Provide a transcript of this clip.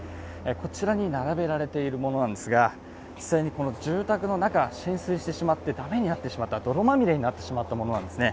こちらに並べられているものですが住宅の中、浸水してしまってだめになってしまった泥まみれになってしまったものなんですね。